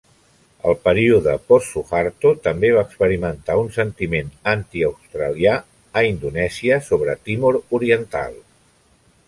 El període post-Suharto també va experimentar un sentiment antiaustralià a Indonèsia sobre Timor Oriental.